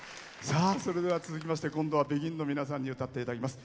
それでは続きまして今度はＢＥＧＩＮの皆さんに歌っていただきます。